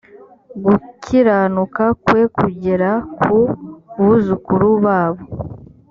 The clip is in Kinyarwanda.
gukiranuka kwe kugera ku buzukuru babo